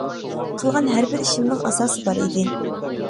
قىلغان ھەربىر ئىشىمنىڭ ئاساسى بار ئىدى.